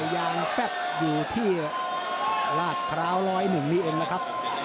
อย่างแป๊บอยู่ที่ราชคราวร้อยหมุมนี้เองนะครับ